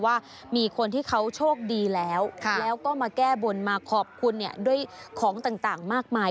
ว่ามีคนที่เขาโชคดีแล้วแล้วก็มาแก้บนมาขอบคุณเนี่ยด้วยของต่างมากมาย